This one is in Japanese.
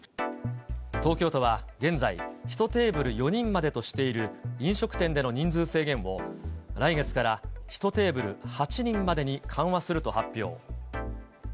東京都は現在、１テーブル４人までとしている飲食店での人数制限を、来月から１テーブル８人までに緩和すると発表。